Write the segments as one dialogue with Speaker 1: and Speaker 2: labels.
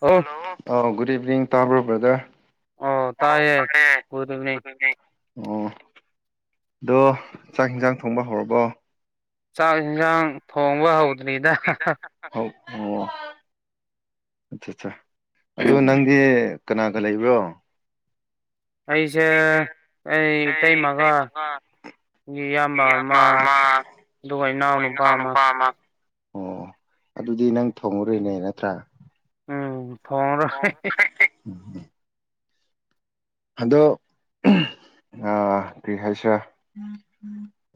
Speaker 1: ꯑꯣ
Speaker 2: hello good evening ꯇꯥꯕꯔꯣ brother
Speaker 1: ꯑꯣ ꯇꯥꯏꯌꯦ ꯒꯨꯗ ꯏꯚꯤꯅꯤꯡ
Speaker 2: [unintelligible] ꯑꯣ ꯑꯗꯣ ꯆꯥꯛ ꯌꯦꯟꯁꯥꯡ ꯊꯣꯡꯕ ꯍꯧꯔꯕꯣ
Speaker 1: ꯆꯥꯛ ꯌꯦꯟꯁꯥꯡ ꯊꯣꯡꯕ ꯍꯧꯗ꯭ꯔꯤꯗ
Speaker 2: ꯑꯣ ꯑꯠꯆꯥ ꯑꯠꯆꯥ ꯑꯗꯣ ꯅꯪꯗꯤ ꯀꯅꯥꯒ ꯂꯩꯕ꯭ꯔꯣ
Speaker 1: ꯑꯩꯁꯦ
Speaker 2: ꯊꯦ [unintelligible] ꯑꯩ ꯆꯍꯤ ꯃꯉꯥ ꯀ ꯑꯃ ꯑꯗꯨꯒ ꯏꯅꯥꯎꯅꯨꯄꯥ ꯑꯃ ꯑꯣ ꯑꯗꯨꯗꯤ ꯅꯪ ꯊꯣꯡꯉꯨꯔꯣꯏꯅꯦ ꯅꯠꯇ꯭ꯔꯥ
Speaker 1: ꯎꯝ ꯊꯣꯡꯉꯔꯣꯏ
Speaker 2: ꯑꯣ
Speaker 1: ꯍꯦꯍꯦ
Speaker 2: ꯑꯗꯣ ꯑ ꯀꯔꯤ ꯍꯥꯏꯁꯤꯔꯥ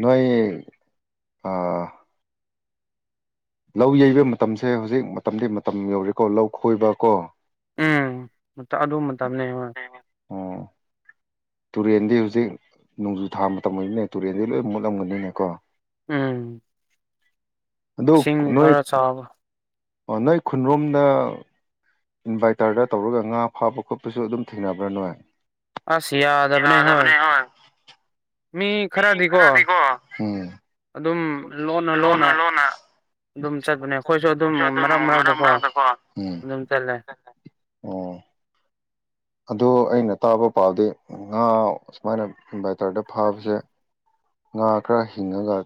Speaker 2: ꯅꯣꯏ ꯑꯥ ꯂꯧ ꯌꯩꯕ ꯃꯇꯝꯁꯦ ꯍꯧꯖꯤꯛ ꯃꯇꯝꯗꯤ ꯃꯇꯝ ꯌꯧꯔꯦꯀꯣ ꯂꯧ ꯈꯣꯏꯕꯀꯣ
Speaker 1: ꯎꯝ ꯑꯗꯨ ꯃꯇꯝꯅꯦ ꯍꯣꯏ
Speaker 2: ꯑꯣ ꯇꯨꯔꯦꯟꯗꯤ ꯍꯧꯖꯤꯛ ꯅꯣꯡꯖꯨ ꯊꯥ ꯃꯇꯝ ꯑꯣꯏꯕꯅꯦ ꯇꯨꯔꯦꯟꯗꯤ ꯂꯣꯏ ꯃꯣꯠꯂꯝꯒꯅꯤꯅꯦ ꯀꯣ
Speaker 1: ꯎꯝ ꯏꯁꯤꯡ ꯈꯔ ꯆꯥꯎꯑꯦ
Speaker 2: ꯑꯣ ꯅꯣꯏ ꯈꯨꯟꯔꯣꯝꯗ ꯏꯟꯚꯥꯏꯇꯔꯗ ꯇꯧꯔꯒ ꯉꯥ ꯐꯥꯕ ꯈꯣꯠꯄꯁꯨ ꯑꯗꯨꯝ ꯊꯦꯡꯅꯕ꯭ꯔꯥ ꯅꯣꯏ ꯌꯥꯗꯕꯅꯦ ꯍꯣꯏ ꯃꯤ ꯈꯔꯗꯤꯀꯣ ꯑꯗꯨꯝ ꯂꯣꯟꯅ ꯂꯣꯟꯅ ꯑꯩꯈꯣꯏꯁꯨ ꯑꯗꯨꯝ ꯃꯔꯛ ꯃꯔꯛꯇꯀꯣ ꯎꯝ
Speaker 1: ꯑꯗꯨꯝ ꯆꯠꯂꯦ
Speaker 2: ꯑꯣ ꯑꯗꯨ ꯑꯩꯅ ꯇꯥꯕ ꯄꯥꯎꯗꯤ ꯉꯥ ꯁꯨꯃꯥꯏꯅ ꯏꯟꯚꯥꯏꯠ ꯇꯔꯗ ꯐꯥꯕꯁꯦ ꯉꯥ ꯈꯔ ꯍꯤꯡꯉꯒ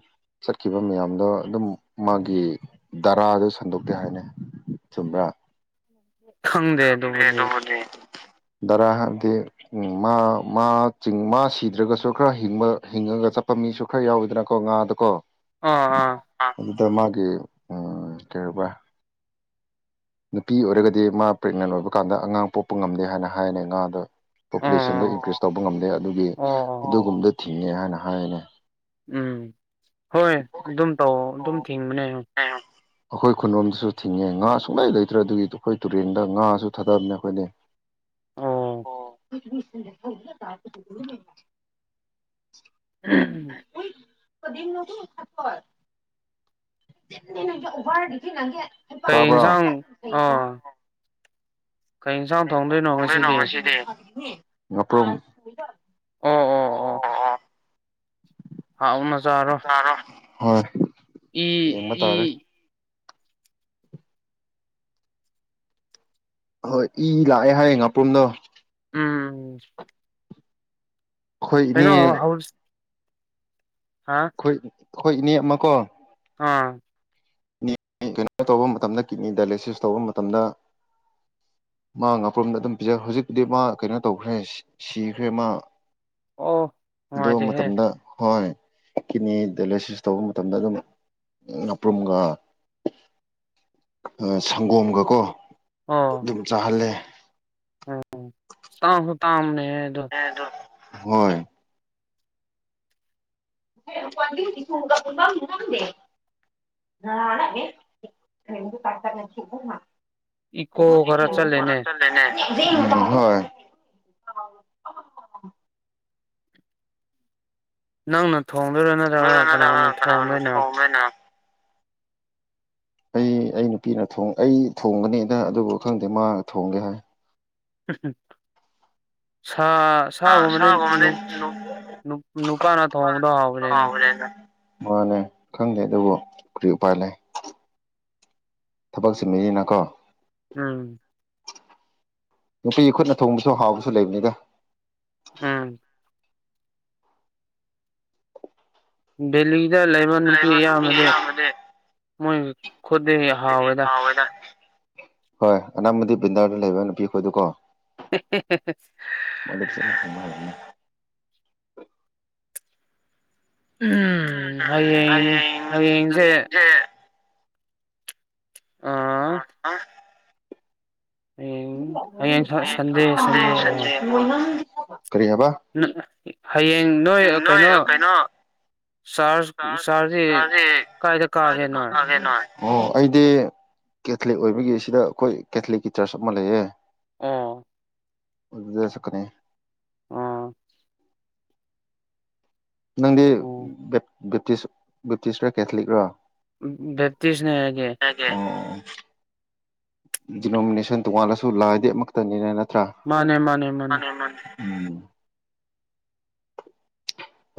Speaker 2: ꯆꯠꯈꯤꯕ ꯃꯌꯥꯝꯗ ꯑꯗꯨꯝ ꯃꯥꯒꯤ ꯗꯥꯔꯥꯗꯣ ꯁꯟꯗꯣꯛꯇꯦ ꯍꯥꯏꯅꯦ ꯆꯨꯝꯕꯔꯥ ꯈꯪꯗꯦ ꯑꯗꯨꯕꯨꯗꯤ ꯗꯥꯔꯥ ꯍꯥꯏꯕꯗꯤ ꯎꯝ ꯃꯥ ꯃꯥ ꯆꯤꯡ ꯃꯥ ꯁꯤꯗ꯭ꯔꯒꯁꯨ ꯈꯔ ꯍꯤꯡꯕ ꯍꯤꯡꯉꯒ ꯆꯠꯄ ꯃꯤꯁꯨ ꯈꯔ ꯌꯥꯎꯋꯤꯗꯅꯀꯣ ꯉꯥꯗꯀꯣ
Speaker 1: ꯑꯥ ꯑꯥ
Speaker 2: ꯗ ꯃꯥꯒꯤ ꯎꯝ ꯀꯩ ꯀꯧꯕ ꯅꯨꯄꯤ ꯑꯣꯏꯔꯒꯗꯤ ꯃꯥ ꯄ꯭ꯔꯦꯒꯅꯦꯟ ꯑꯣꯏꯕ ꯀꯥꯟꯗ ꯑꯉꯥꯡ ꯄꯣꯛꯄ ꯉꯝꯗꯦ ꯍꯥꯏꯅ ꯍꯥꯏꯅꯦ ꯉꯥꯗꯣ ꯄꯣꯄꯨꯂꯦꯁꯟꯗꯣ
Speaker 1: ꯑꯣ
Speaker 2: ꯏꯟꯀ꯭ꯔꯤꯖ ꯇꯧꯕ ꯉꯝꯗꯦ ꯑꯗꯨꯒꯤ
Speaker 1: ꯑꯣ ꯑꯣ ꯑꯣ
Speaker 2: ꯑꯗꯨꯒꯨꯝꯕꯗ ꯊꯤꯡꯉꯦ ꯍꯥꯏꯅ ꯍꯥꯏꯅꯦ
Speaker 1: ꯎꯝ ꯍꯣꯏ ꯑꯗꯨꯝ ꯇꯧ ꯑꯗꯨꯝ ꯊꯤꯡꯕꯅꯦ
Speaker 2: ꯑꯩꯈꯣꯏ ꯈꯨꯂꯣꯝꯗꯁꯨ ꯊꯤꯡꯉꯦ ꯉꯥ ꯁꯨꯡꯂꯩ ꯂꯩꯇ꯭ꯔꯦ ꯑꯗꯨꯒꯤ ꯑꯩꯈꯣꯏ ꯇꯨꯔꯦꯟꯗ ꯉꯥꯁꯨ ꯊꯥꯗꯕꯅꯦ ꯑꯩꯈꯣꯏꯅꯦ
Speaker 1: ꯑꯣ
Speaker 2: [inaudible]
Speaker 1: ꯎꯝ
Speaker 2: [unintelligible]
Speaker 1: ꯀꯩ
Speaker 2: ꯀꯥꯕ꯭ꯔ
Speaker 1: ꯌꯦꯟꯁꯥꯡ ꯑꯥ ꯀꯩ ꯌꯦꯟꯁꯥꯡ ꯊꯣꯡꯗꯣꯏꯅꯣ ꯉꯁꯤꯗꯤ
Speaker 2: ꯅꯁꯤꯗꯦ ꯑ꯭ꯔ
Speaker 1: ꯑꯣ ꯑꯣ ꯑꯣ ꯍꯥꯎ ꯑꯅꯆꯥꯔꯣ
Speaker 2: ꯍꯣꯏ
Speaker 1: ꯏ
Speaker 2: ꯌꯦꯡꯕ
Speaker 1: ꯏ
Speaker 2: ꯇꯥꯔꯦ ꯍꯣꯏ ꯏ ꯂꯥꯛꯑꯦ ꯍꯥꯏꯌꯦ ꯉꯥꯄ꯭ꯔꯨꯝꯗꯣ
Speaker 1: ꯎꯝ
Speaker 2: ꯑꯩꯈꯣꯏ ꯏꯅꯦ
Speaker 1: ꯀꯩꯅꯣ ꯍꯧꯎ
Speaker 2: ꯑꯩꯈꯣꯏ ꯑꯩꯈꯣꯏ ꯏꯅꯦ ꯑꯃꯀꯣ
Speaker 1: ꯑꯥ
Speaker 2: ꯀꯩꯅꯣ ꯇꯧꯕ ꯃꯇꯝꯗ ꯀꯤꯠꯅꯤ ꯗꯥꯏꯂꯦꯁꯤꯁ ꯇꯧꯕ ꯃꯇꯝꯗ ꯃꯥ ꯉꯥꯄ꯭ꯔꯣꯝꯗ ꯑꯗꯨꯝ ꯄꯤꯖ ꯍꯧꯖꯤꯛꯄꯨꯗꯤ ꯃꯥ ꯀꯩꯅꯣ ꯇꯧꯈ꯭ꯔꯦ ꯁꯤꯈ꯭ꯔꯦ ꯃꯥ
Speaker 1: ꯑꯣ
Speaker 2: ꯑꯗꯨꯣ ꯃ
Speaker 1: ꯅꯨꯡꯉꯥꯏꯇꯦꯍꯦ
Speaker 2: ꯃꯇꯝꯗ ꯍꯣꯏꯣꯏ ꯀꯤꯅꯤ ꯗꯥꯏꯂꯦꯁꯤꯁ ꯇꯧꯕ ꯃꯇꯝꯗ ꯑꯗꯨꯝꯄ ꯁꯪꯒꯣꯝꯒ ꯀꯣ
Speaker 1: ꯑꯣ
Speaker 2: ꯑꯗꯨꯝ ꯆꯥꯍꯜꯂꯦ
Speaker 1: ꯎꯝ ꯇꯥꯎꯁꯨ ꯇ ꯑꯃꯅꯦꯗ
Speaker 2: ꯍꯣꯏ [inaudible] ꯅ ꯀꯇꯔ ꯁꯤ
Speaker 1: ꯏꯀꯣ ꯈꯔ
Speaker 2: ꯑꯣ ꯐꯔ
Speaker 1: ꯆꯠꯂꯦꯅꯦ
Speaker 2: ꯆꯠꯦꯅꯦ ꯎꯝ ꯍꯣꯏ
Speaker 1: ꯅꯪꯅ ꯊꯣꯡꯗꯣꯏꯔꯣ ꯅꯠꯇ꯭ꯔꯒ ꯀꯅꯥꯅꯣ
Speaker 2: ꯀꯅꯥꯅ
Speaker 1: ꯊꯣꯡꯗꯣꯏꯅꯣ
Speaker 2: ꯊꯣꯡꯕ꯭ꯔꯅ ꯑꯩ ꯑꯩ ꯅꯨꯄꯤꯅ ꯑꯩ ꯊꯣꯡꯒꯅꯤꯗ ꯑꯗꯨꯕꯨ ꯈꯪꯗꯦ ꯃꯥ ꯊꯣꯡꯒꯦ ꯍꯥꯏ
Speaker 1: ꯎꯝ ꯁꯥ ꯁꯥꯒꯨꯝꯕꯗꯤ ꯅꯨꯄꯥꯅ ꯊꯣꯡꯕꯗꯣ ꯍꯥꯎꯕꯅꯦ
Speaker 2: ꯅꯨꯄꯥꯅ
Speaker 1: ꯑꯩꯅ
Speaker 2: ꯍꯥꯎꯕꯅꯦꯗ ꯃꯥꯅꯦ ꯈꯪꯗꯦ ꯑꯗꯨꯕꯨ ꯀꯔꯤ ꯎꯄꯥꯏ ꯂꯩ ꯊꯕꯛ ꯆꯃꯤꯔꯤꯅꯀꯣ
Speaker 1: ꯎꯝ
Speaker 2: ꯅꯨꯄꯤꯒꯤ ꯈꯨꯠꯅ ꯊꯣꯡꯕꯁꯨ ꯍꯥꯎꯕꯁꯨ ꯂꯩꯕꯅꯤꯗ
Speaker 1: ꯎꯝ ꯗꯦꯜꯂꯤꯗ ꯂꯩꯕ ꯅꯨꯄꯤ ꯏꯌꯥꯝꯕꯗꯤ ꯃꯣꯏ ꯈꯨꯗ ꯍꯥꯥ
Speaker 2: ꯈꯨꯠꯇꯒꯤ
Speaker 1: ꯑꯣꯏꯦꯗ
Speaker 2: ꯍꯥꯎꯋꯦꯗ ꯍꯣꯏ ꯑꯅꯕꯗꯤ ꯕꯤꯟꯗꯥꯔꯗ ꯂꯩꯕ ꯅꯨꯄꯤꯈꯣꯏꯗꯨꯀꯣ [inaudible] ꯎꯝ ꯎꯝ
Speaker 1: ꯍꯌꯦꯡ
Speaker 2: ꯍꯌꯦ
Speaker 1: ꯍꯌꯦꯡꯁꯦ
Speaker 2: ꯍꯌꯦꯡꯖꯦ
Speaker 1: ꯑꯥ ꯍꯌꯦꯡ ꯍꯌꯦꯡ ꯁꯟꯗꯦ ꯁꯟꯗꯦ ꯍꯣꯏ
Speaker 2: [inaudible]
Speaker 1: [inaudible]
Speaker 2: ꯎꯝ ꯅꯣꯏ ꯀꯩꯅꯩꯅꯣ
Speaker 1: ꯆꯥꯔꯖ
Speaker 2: ꯇ
Speaker 1: ꯆꯥꯔꯖꯁꯤ
Speaker 2: ꯆꯁꯤ
Speaker 1: ꯀꯥꯏꯗ ꯀꯥꯒꯦ ꯅꯣꯏ
Speaker 2: ꯀꯅ ꯑꯣ ꯑꯩꯗꯤ ꯀꯦꯊꯂꯤꯛ ꯑꯣꯏꯕꯒꯤ ꯁꯤꯗ ꯑꯩꯈꯣꯏ ꯀꯦꯊꯂꯤꯛꯀꯤ ꯆꯔꯆ ꯑꯃ ꯂꯩꯌꯦ
Speaker 1: ꯑ
Speaker 2: ꯖ ꯆꯀꯅꯤ
Speaker 1: ꯑꯥ ꯑꯣ
Speaker 2: ꯅꯪꯗꯤꯇꯤꯁ ꯕꯦꯞꯇꯤꯁ꯭ꯔ ꯀꯦꯊꯂꯤꯛ ꯔꯣ
Speaker 1: ꯕꯦꯞꯇꯤꯁꯅꯦ ꯍꯥꯏꯒꯦ
Speaker 2: ꯗꯤꯅꯣꯃꯤꯅꯦꯁꯟ ꯇꯣꯉꯥꯟꯜꯂꯁꯨ ꯂꯥꯏꯗꯤ ꯑꯃꯛꯇꯅꯤ
Speaker 1: ꯃꯥꯅꯦ ꯃꯥꯅꯦ ꯃꯥꯅꯦ
Speaker 2: ꯎꯝ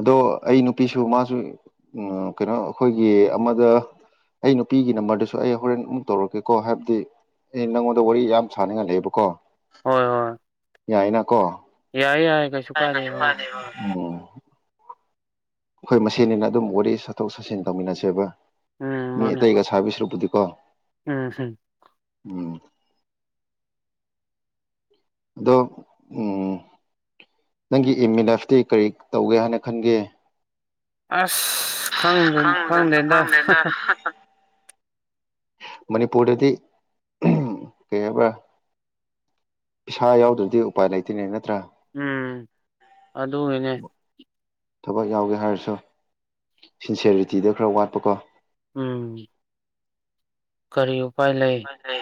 Speaker 2: ꯑꯗꯣ ꯑꯩ ꯅꯨꯄꯤꯁꯨ ꯃꯥꯁꯨ ꯎ ꯀꯩꯅꯣ ꯑꯩꯈꯣꯏꯒꯤ ꯑꯃꯗ ꯑꯩ ꯅꯨꯄꯤꯒꯤ ꯅꯝꯕꯔꯗꯁꯨ ꯑꯩ ꯍꯣꯔꯦꯟ ꯑꯃꯨꯛ ꯇꯧꯔꯛꯀꯦꯀꯣ ꯍꯥꯏꯕꯗꯤ ꯑꯦ ꯅꯪꯉꯣꯟꯗ ꯋꯥꯔꯤ ꯌꯥꯝ ꯁꯥꯅꯤꯡꯉꯥꯏ ꯂꯩꯕꯀꯣ
Speaker 1: ꯍꯣꯏ ꯍꯣꯏ
Speaker 2: ꯌꯥꯏꯅꯀꯣ
Speaker 1: ꯌꯥꯏ ꯌꯥꯏ ꯀꯩꯁꯨ ꯀꯥꯏꯗꯦ ꯍꯣꯏ
Speaker 2: ꯎꯝ ꯍꯣꯏ ꯃꯁꯤꯅꯤꯅ ꯑꯗꯨꯝ ꯋꯥꯔꯤ ꯆꯠꯊꯣꯛ ꯆꯠꯁꯤꯟ ꯇꯧꯃꯤꯟꯅꯁꯦꯕ
Speaker 1: ꯎꯝ
Speaker 2: ꯃꯤ
Speaker 1: ꯃꯥꯅꯦ
Speaker 2: ꯑꯇꯩꯒ ꯁꯥꯕꯤꯁꯔꯨꯕꯨꯗꯤ
Speaker 1: ꯎꯝ ꯍꯝ
Speaker 2: ꯎꯝ ꯑꯗꯣ ꯎꯝ ꯅꯪꯒꯤ ꯏꯃꯤꯅꯐꯇꯤ ꯀꯔꯤ ꯇꯧꯒꯦ ꯍꯥꯏꯅ ꯈꯟꯒꯦ
Speaker 1: ꯈꯪ
Speaker 2: ꯈꯪꯗ
Speaker 1: ꯈꯪ ꯂꯦꯟꯗ
Speaker 2: ꯈꯪꯗꯦꯗ ꯃꯅꯤꯄꯨꯔꯗꯗꯤ ꯀꯩ ꯍꯥꯏꯕ ꯄꯩꯥ ꯌꯥꯎꯗ꯭ꯔꯗꯤ ꯎꯄꯥꯏ ꯂꯩꯇꯣꯏꯅꯤ ꯅꯠꯇ
Speaker 1: ꯎꯝ ꯑꯗꯨꯗ ꯏꯅꯦ
Speaker 2: ꯊꯕꯛ ꯌꯥꯎꯒꯦ ꯍꯥꯏꯔꯁꯨ ꯁꯤꯟꯁꯔꯤꯇꯤꯗ ꯈꯔ ꯋꯥꯠꯄꯀꯣ
Speaker 1: ꯎꯝ ꯀꯔꯤꯌꯨ
Speaker 2: ꯍ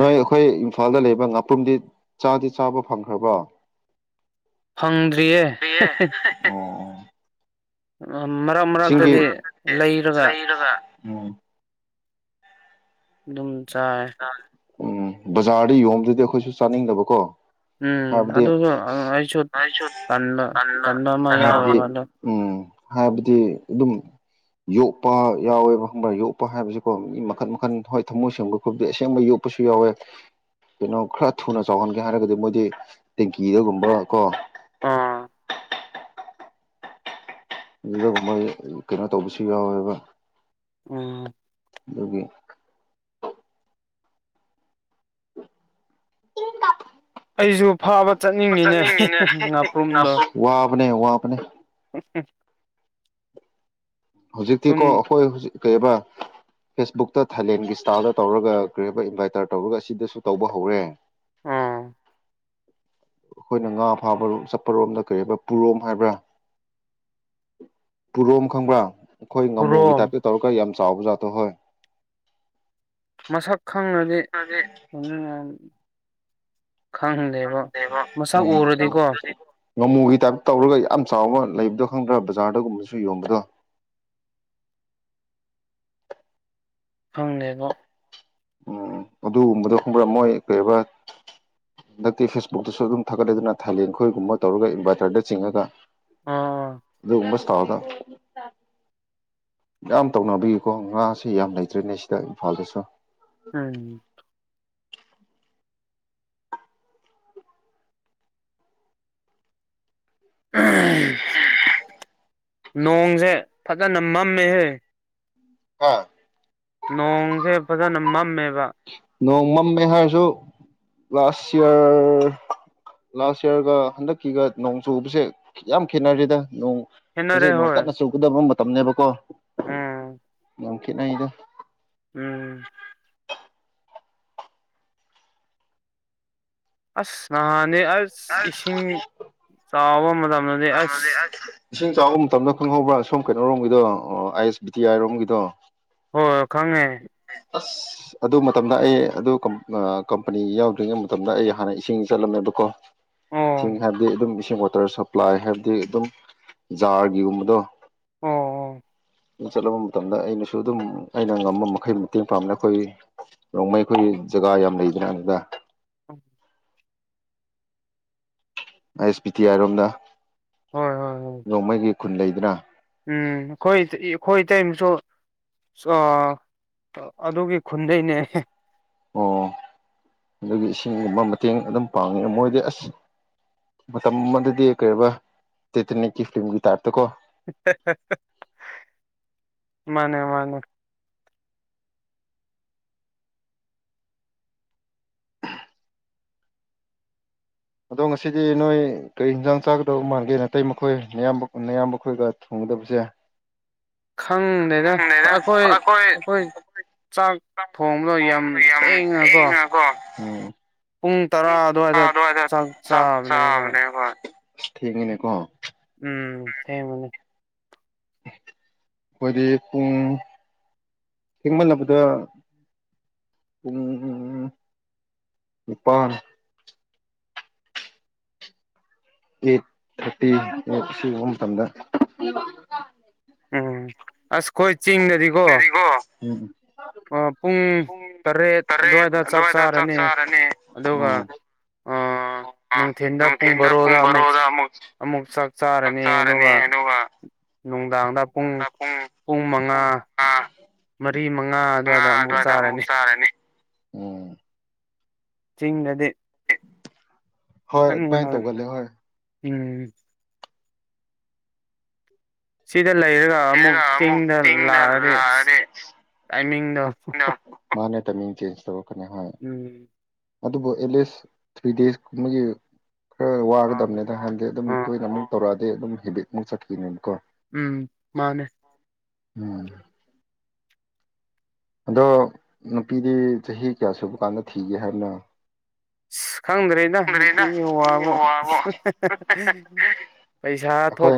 Speaker 2: ꯅꯣꯏ ꯑꯩꯈꯣꯏ ꯏꯝꯐꯥꯜꯗ ꯂꯩꯕ ꯉꯥꯄ꯭ꯔꯨꯝꯗꯤ ꯆꯥꯗꯤ ꯆꯥꯕ ꯐꯪꯈ꯭ꯔꯕ꯭ꯔꯣ
Speaker 1: ꯐꯪꯗ꯭ꯔꯤꯌꯦ ꯃꯔꯛ ꯃꯔꯛꯇꯗꯤ
Speaker 2: ꯂꯩꯔꯒ ꯎ
Speaker 1: ꯑꯗꯨꯝ ꯆꯥꯏ
Speaker 2: ꯎꯝ ꯕꯖꯥꯔꯗ ꯌꯣꯕꯗꯗꯤ ꯑꯩꯈꯣꯏꯁꯨ ꯆꯥꯅꯤꯡꯗꯕꯀꯣ
Speaker 1: ꯎꯝ
Speaker 2: ꯕꯗꯤ
Speaker 1: ꯑꯗꯨꯒ ꯑꯩꯁꯨ ꯇꯟꯕ ꯇꯟꯕ ꯑꯃ ꯌꯥꯎꯋꯦꯕ ꯑꯗꯣ
Speaker 2: ꯎꯝ ꯍꯥꯏꯕꯗꯤ ꯑꯗꯨꯝ ꯌꯣꯛꯄ ꯌꯥꯎꯋꯦꯕ ꯈꯪꯕꯥ ꯌꯣꯛꯄ ꯍꯥꯏꯕꯁꯤꯀꯣ ꯃꯤ ꯃꯈꯟ ꯃꯈꯟ ꯍꯣꯏ ꯊꯝꯃꯣꯏ ꯁꯦꯡꯕ ꯑꯩꯕꯗꯤ ꯑꯁꯦꯡꯕ ꯌꯣꯛꯄꯁꯨ ꯌꯥꯎꯋꯦ ꯀꯩꯅꯣ ꯈꯔ ꯊꯨꯅ ꯆꯥꯎꯍꯟꯒꯦ ꯍꯥꯏꯔꯒꯗꯤ ꯃꯣꯏꯗꯤ ꯇꯦꯡꯀꯤꯗꯒꯨꯝꯕ ꯀꯣ
Speaker 1: ꯑꯥ
Speaker 2: ꯑꯗꯨꯒꯗꯒꯨꯝꯕ ꯀꯩꯅꯣ ꯇꯧꯕꯁꯨ ꯌꯥꯎꯋꯦꯕ
Speaker 1: ꯎꯝ
Speaker 2: ꯂꯒꯤ ꯇꯤꯟ ꯀ
Speaker 1: ꯑꯩꯁꯨ ꯐꯥꯕ ꯆꯠꯅꯤꯡꯉꯤꯅꯦ ꯉꯥꯄ꯭ꯔꯨꯝꯗꯣ
Speaker 2: ꯉꯥꯄ꯭ꯔꯨꯝ ꯋꯥꯕꯅꯦ ꯋꯥꯕꯅꯦ
Speaker 1: ꯁꯨꯝ
Speaker 2: ꯍꯧꯖꯤꯛꯇꯤꯀꯣ ꯑꯩꯈꯣꯏ ꯍꯧꯖꯤꯛ ꯀꯩꯕ ꯐꯦꯁꯕꯨꯛꯇ ꯊꯥꯏꯂꯦꯟꯒꯤ ꯏꯁꯇꯥꯜꯗ ꯇꯧꯔꯒ ꯀꯔꯤꯕ ꯏꯟꯚꯥꯏꯇꯔ ꯇꯧꯔꯒ ꯑꯁꯤꯗꯁꯨ ꯇꯧꯕ ꯍꯧꯔꯦ
Speaker 1: ꯑꯥ
Speaker 2: ꯑꯩꯈꯣꯏꯅ ꯉꯥ ꯐꯥꯕꯣ ꯆꯠꯄꯔꯣꯝꯗ ꯀꯔꯤꯔꯤꯕ ꯄꯨꯔꯣꯝ ꯍꯥꯏꯕ꯭ꯔꯥ ꯄꯨꯔꯣꯝ ꯈꯪꯕ꯭ꯔꯥ ꯑꯩꯈꯣꯏ ꯉꯥꯃꯨꯒꯤ
Speaker 1: ꯄꯨꯔꯣꯝ
Speaker 2: ꯇꯥꯏꯞꯇ ꯇꯧꯔꯒ ꯌꯥꯝ ꯆꯥꯎꯕ ꯖꯥꯠꯇꯣ ꯍꯣꯏ
Speaker 1: ꯃꯁꯛ ꯈꯪꯅꯗꯤ ꯃꯁꯛ
Speaker 2: ꯎꯝ
Speaker 1: ꯎꯔꯗꯤꯀꯣ
Speaker 2: ꯉꯥꯃꯨꯒꯤ ꯇꯥꯏꯞꯇ ꯇꯧꯔꯒ ꯌꯥꯝ ꯆꯥꯎꯕ ꯂꯩꯕꯗꯣ ꯈꯪꯗ꯭ꯔꯥ ꯕꯖꯥꯔꯗꯒꯨꯝꯕꯁꯨ ꯌꯣꯟꯕꯗꯣ
Speaker 1: ꯐꯪꯅꯦꯕ
Speaker 2: ꯎꯝ ꯑꯗꯨꯒꯨꯝꯕꯗꯣ ꯈꯪꯕ꯭ꯔꯥ ꯃꯣꯏ ꯀꯩꯧꯕ ꯍꯟꯗꯛꯇꯤ ꯐꯦꯁꯕꯨꯛꯇꯁꯨ ꯑꯗꯨꯝ ꯊꯥꯒꯠꯂꯗꯨꯅ ꯊꯥꯏꯂꯦꯟ ꯑꯩꯈꯣꯏꯒꯨꯝꯕ ꯇꯧꯔꯒ ꯏꯟꯚꯔꯇꯔꯗ ꯆꯤꯡꯉꯒ
Speaker 1: ꯑꯥ
Speaker 2: [unintelligible] ꯌꯥꯝ ꯇꯧꯅꯕꯒꯤꯀꯣ ꯉꯥꯁꯦ ꯌꯥꯝ ꯂꯩꯇ꯭ꯔꯤꯅꯤ ꯏꯝꯐꯥꯜꯗꯁꯨ
Speaker 1: ꯎꯝ ꯅꯣꯡꯁꯦ ꯐꯖꯅ ꯃꯝꯃꯦꯍꯦ
Speaker 2: ꯍꯥꯥ
Speaker 1: ꯅꯣꯡꯁꯦ ꯐꯖꯅ ꯃꯝꯃꯦꯕ
Speaker 2: ꯅꯣꯡꯃꯝꯃꯦ ꯍꯥꯏꯔꯁꯨ ꯂꯥꯁ ꯌꯥꯔ ꯂꯥꯁ ꯌꯥꯔꯒ ꯍꯟꯗꯛꯀꯤꯒ ꯅꯣꯡ ꯆꯨꯕꯁꯦ ꯌꯥꯝ ꯈꯦꯠꯅꯔꯤꯗ
Speaker 1: ꯈꯦꯠꯅꯔꯦ
Speaker 2: ꯍꯧꯖꯤꯛ ꯅꯣꯡ
Speaker 1: ꯍꯣꯏ
Speaker 2: ꯀꯟꯅ ꯆꯨꯒꯗꯕ ꯃꯇꯝꯅꯦꯕꯀꯣ
Speaker 1: ꯎꯝ
Speaker 2: ꯌꯥꯝ ꯈꯦꯠꯅꯩꯗ
Speaker 1: ꯎꯝ ꯑꯁ ꯅꯍꯥꯟꯗꯤ ꯑꯁ ꯏꯁꯤꯡ ꯆꯥꯎꯕ ꯃꯇꯝꯗꯗꯤ ꯑꯁ
Speaker 2: ꯏꯁꯤꯡ ꯆꯥꯎꯥꯕ ꯃꯇꯝꯗ ꯈꯪꯍꯧꯕ꯭ꯔꯥ ꯁꯣꯝ ꯀꯩꯅꯣꯔꯣꯝꯒꯤꯗꯣ ꯑꯣ ꯑꯥꯏ ꯑꯦꯁ ꯕꯤ ꯇꯤ ꯑꯥꯏꯔꯣꯝꯒꯤꯗꯣ
Speaker 1: ꯍꯣꯏ ꯈꯪꯉꯦ
Speaker 2: ꯑꯁ ꯑꯗꯨ ꯃꯇꯝꯗ ꯑꯩ ꯑꯗꯨ ꯀꯝ ꯀꯝꯄꯅꯤ ꯌꯥꯎꯗ꯭ꯔꯤꯉꯩ ꯃꯇꯝꯗ ꯑꯩ ꯍꯥꯟꯅ ꯏꯁꯤꯡ ꯆꯂꯂꯝꯃꯦꯕꯀꯣ ꯏꯁꯤꯡ
Speaker 1: ꯑꯣ
Speaker 2: ꯍꯥꯏꯕꯗꯤ ꯑꯗꯨꯝ ꯏꯁꯤꯡ ꯋꯥꯇꯔ ꯁꯄ꯭ꯂꯥꯏ ꯍꯥꯏꯕꯗꯤ ꯑꯗꯨꯝ ꯖꯥꯔꯒꯤꯒꯨꯝꯕꯗꯣ
Speaker 1: ꯑꯣ ꯑꯣ
Speaker 2: ꯆꯠꯂꯕ ꯃꯇꯝꯗ ꯑꯩꯅꯁꯨ ꯑꯗꯨꯝ ꯑꯩꯅ ꯉꯃꯕ ꯃꯛ ꯈꯩ ꯃꯇꯦꯡ ꯄꯥꯡꯕꯅꯦ ꯑꯩꯈꯣꯏ ꯔꯣꯡꯃꯩ ꯑꯩꯈꯣꯏ ꯖꯒꯥ ꯌꯥꯝ ꯂꯩꯗꯅ ꯑꯗꯨꯗ
Speaker 1: ꯎꯝ
Speaker 2: ꯥꯑꯥꯏ ꯑꯦꯁ ꯕꯤ ꯇꯤ
Speaker 1: ꯍꯣꯏ ꯍꯣꯏ ꯍꯣꯏ ꯎꯝ ꯃꯈꯣꯏ ꯈꯣꯏ ꯏꯇꯩꯃꯁꯨ ꯑꯗꯨꯒꯤ ꯈꯨꯟꯗꯩꯅꯦ
Speaker 2: ꯑꯣ ꯑꯗꯨꯒꯤ ꯏꯁꯤꯡꯒꯨꯝꯕ ꯃꯇꯦꯡ ꯑꯗꯨꯝ ꯄꯥꯡꯉꯤ ꯃꯣꯏꯗꯤ ꯑꯁ ꯃꯇꯝ ꯑꯗꯨꯗꯤ ꯀꯩꯌꯦꯕ ꯇꯦꯇꯅꯤꯀꯤ ꯐꯤꯂꯝꯒꯤ ꯇꯥꯏꯞꯇꯀꯣ
Speaker 1: ꯃꯥꯅꯦ ꯃꯥꯅꯦ
Speaker 2: ꯑꯗꯣ ꯉꯁꯤꯗꯤ ꯅꯣꯏ ꯀꯔꯤ ꯍꯦꯟꯖꯥꯡ ꯆꯥꯒꯗꯕ ꯃꯥꯟꯒꯦ ꯅꯇꯩꯃꯈꯣꯏ ꯅꯌꯥꯝꯕ ꯅꯌꯥꯝꯕ ꯈꯣꯏꯒ ꯊꯣꯡ ꯗꯕꯁꯦ
Speaker 1: ꯈꯪꯗꯦꯗ ꯑꯩꯈꯣꯏ ꯑꯩꯈꯣꯏ ꯆꯥꯛ ꯊꯣꯡꯕꯗꯣ ꯌꯥꯝ ꯊꯦꯡꯉꯀꯣ
Speaker 2: ꯎꯝ
Speaker 1: ꯄꯨꯡ ꯇꯔꯥ ꯑꯗꯨꯋꯥꯏꯗ
Speaker 2: [unintelligible] ꯆꯥꯛ
Speaker 1: ꯆꯥꯕꯅꯦ ꯑꯩꯈꯣꯏ
Speaker 2: ꯆꯥꯒꯅꯦꯕ ꯊꯦꯡꯉꯦꯅꯦꯀꯣ
Speaker 1: ꯎꯝ ꯊꯦꯡꯕꯅꯦ
Speaker 2: ꯈꯣꯏꯗꯤ ꯄꯨꯡ ꯊꯦꯡꯃꯜꯂꯕꯗ ꯄꯨꯡ ꯅꯤꯄꯥꯟ ꯑꯩꯠ ꯊꯥꯔꯇꯤ ꯁꯤꯒꯨꯝꯕ ꯃꯇꯝꯗ
Speaker 1: ꯎꯝ ꯑꯁ ꯈꯣꯏ ꯆꯤꯡꯗꯗꯤꯀꯣ
Speaker 2: ꯑꯍꯤꯡꯗꯗꯤꯀꯣ ꯎꯝ
Speaker 1: ꯑꯥ ꯄꯨꯡ ꯇꯔꯦꯠ ꯑꯗꯨꯋꯥꯏꯗ ꯆꯥꯛ ꯆꯥꯔꯅꯤ ꯑꯗꯨꯒ ꯑꯥ ꯅꯨꯡꯊꯤꯟꯗ ꯄꯨꯡ ꯕꯥꯔꯣꯗ ꯑꯃꯨꯛ ꯑꯃꯨꯛ ꯆꯥꯛ ꯆꯥꯔꯅꯤ ꯑꯗꯨꯒ ꯅꯨꯡꯗꯥꯡꯗ ꯄꯨꯡ ꯄꯨꯡ ꯃꯉꯥ
Speaker 2: ꯃꯉꯥ
Speaker 1: ꯃꯔꯤ ꯃꯉꯥ ꯑꯗꯨꯋꯥꯏꯗ ꯑꯃꯨꯛ ꯆꯥꯔꯅꯤ
Speaker 2: ꯎꯝ
Speaker 1: ꯆꯤꯡꯗꯗꯤ
Speaker 2: ꯍꯣꯏ
Speaker 1: ꯉꯟ
Speaker 2: ꯑꯗꯨꯃꯥꯏ
Speaker 1: ꯉꯟꯅ
Speaker 2: ꯇꯧꯒꯜꯂꯦ ꯍꯣꯏ
Speaker 1: ꯎꯝ ꯁꯤꯗ ꯂꯩꯔꯒ ꯑꯃꯨꯛ ꯆꯤꯡꯗ ꯂꯥꯛꯑꯗꯤ ꯇꯥꯏꯃꯤꯡ
Speaker 2: ꯃꯥꯅꯦ ꯇ ꯆꯦꯟꯖ ꯇ
Speaker 1: ꯎꯝ
Speaker 2: ꯑꯗꯨꯕꯨ ꯑꯦꯠꯂꯤꯁ ꯊ꯭ꯔꯤ ꯗꯦꯖ ꯀꯨꯝꯕꯒꯤ ꯈꯔ
Speaker 1: ꯑꯥ
Speaker 2: ꯋꯥꯒꯗꯕꯅꯤꯗ ꯍꯥꯏꯥꯟꯗꯤ ꯑꯗꯨꯝ
Speaker 1: ꯑꯥ
Speaker 2: ꯇꯣꯏꯅꯃꯨꯛ ꯇꯧꯔꯛꯑꯗꯤ ꯑꯗꯨꯝ ꯍꯦꯕꯤꯠꯃꯨꯛ ꯆꯠꯈꯤꯅꯤꯅ
Speaker 1: ꯎꯝ ꯃꯥꯅꯦ
Speaker 2: ꯎꯝ ꯑꯗꯣ ꯅꯨꯄꯤꯗꯤ ꯆꯍꯤ ꯀꯌꯥ ꯁꯨꯕ ꯀꯥꯟꯗ ꯊꯤꯒꯦ ꯍꯥꯏꯕꯅꯣ
Speaker 1: ꯑ ꯈꯪꯗ꯭ꯔꯦꯗ
Speaker 2: ꯈꯪꯗ꯭ꯔꯦꯗ
Speaker 1: ꯅꯨꯄꯤꯒꯤ
Speaker 2: ꯅꯨꯄꯤ
Speaker 1: ꯋꯥꯕꯣ
Speaker 2: ꯋꯥꯕꯨ ꯑꯩꯈꯣꯏ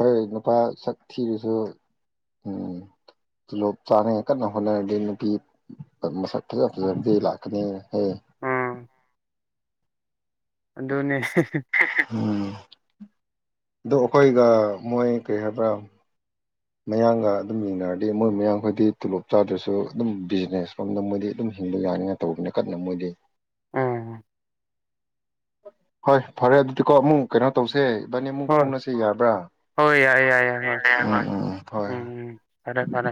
Speaker 2: ꯍꯣꯏ ꯅꯨꯄꯥ ꯁꯛ ꯊꯤꯔꯁꯨ
Speaker 1: [inaudible]
Speaker 2: ꯇꯂꯣꯞ ꯆꯥꯅꯉ ꯀꯟꯅ ꯍꯣꯠꯅꯔꯗꯤ ꯅꯨꯄꯤ ꯃꯁꯛ ꯐꯖ ꯐꯖꯔꯗꯤ ꯂꯥꯛꯀꯅꯤꯍꯦ
Speaker 1: ꯎꯝ ꯑꯗꯨꯗꯣꯅꯦ
Speaker 2: ꯎꯝ ꯑꯣ ꯑꯩꯈꯣꯏꯒ ꯃꯣꯏ ꯀꯩ ꯍꯥꯏꯕ꯭ꯔꯥ ꯃꯌꯥꯡꯒ ꯑꯗꯨꯝ ꯌꯦꯡꯅꯔꯗꯤ ꯃꯣꯏ ꯃꯌꯥꯌꯥꯝꯈꯣꯏꯗꯤ ꯇꯣꯂꯣꯞ ꯆꯥꯗ꯭ꯔꯁꯨ ꯑꯗꯨꯝ ꯕꯤꯖꯤꯅꯦꯁ ꯐꯝꯗ ꯃꯣꯏꯗꯤ ꯑꯗꯨꯝ ꯑꯗꯨꯨꯝ ꯍꯤꯡꯕ ꯌꯥꯅꯤꯉ ꯇꯧꯕꯅꯤꯅ ꯀꯟꯅ ꯃꯣꯏꯗꯤ
Speaker 1: ꯑ
Speaker 2: ꯍꯣꯏ ꯐꯔꯦ ꯑꯗꯨꯗꯤꯀꯣ ꯑꯃꯨꯛ ꯀꯩꯅꯣ ꯇꯧꯁꯦ ꯏꯕꯥꯅꯤ ꯑꯃꯨꯛ
Speaker 1: ꯍꯣꯏ
Speaker 2: ꯐꯣꯡꯅꯁꯦ ꯌꯥꯕ꯭ꯔꯥ
Speaker 1: ꯍꯣꯏ ꯌꯥꯏ ꯌꯥꯏ ꯌꯥꯏ ꯍꯣꯏ
Speaker 2: ꯎ
Speaker 1: ꯎꯝ
Speaker 2: ꯍꯣꯏ
Speaker 1: ꯎꯝ ꯐꯔꯦ ꯐꯔꯦ